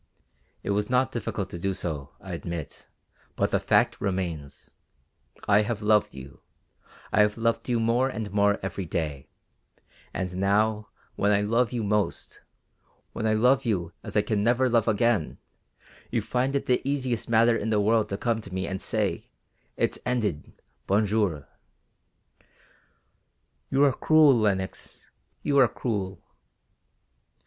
It was not difficult to do so, I admit, but the fact remains. I have loved you, I have loved you more and more every day, and now, when I love you most, when I love you as I can never love again, you find it the easiest matter in the world to come to me and say, 'It's ended; bon jour.'" "You are cruel, Lenox, you are cruel."